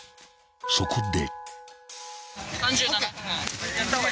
そこで］